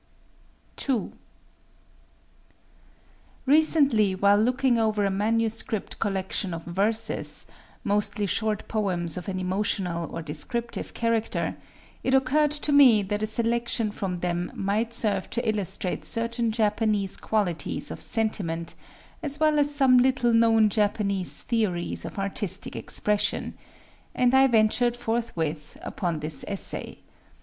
II Recently while looking over a manuscript collection of verses,—mostly short poems of an emotional or descriptive character,—it occurred to me that a selection from them might serve to illustrate certain Japanese qualities of sentiment, as well as some little known Japanese theories of artistic expression,—and I ventured forthwith, upon this essay.